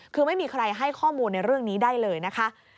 คือไม่มีใครให้ข้อมูลในเรื่องนี้ได้เลยนะคะ